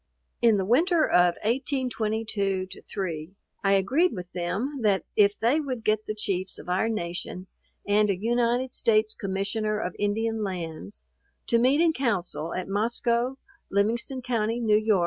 In the winter of 1822 3, I agreed with them, that if they would get the chiefs of our nation, and a United States Commissioner of Indian Lands, to meet in council at Moscow, Livingston county, N. Y.